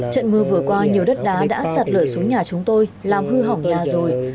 trận mưa vừa qua nhiều đất đá đã sạt lở xuống nhà chúng tôi làm hư hỏng nhà rồi